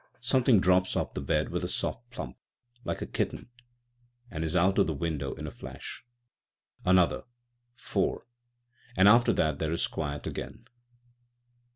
something drops off the bed with a soft plump, like a kitten, and is out of the window in a flash; another â€" four â€" and after that there is quiet again.